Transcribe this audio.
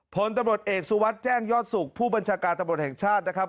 ผลตำรวจเอกสุวัสดิ์แจ้งยอดสุขผู้บัญชาการตำรวจแห่งชาตินะครับ